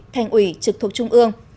thành ủy trực thuộc trung ương